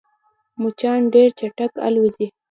مچان ډېر چټک الوزي